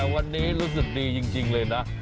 วันนี้รู้สึกดีจริงเลยนะ